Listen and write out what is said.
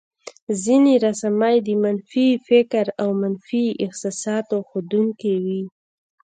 ځينې رسامۍ د منفي فکر او منفي احساساتو ښودونکې وې.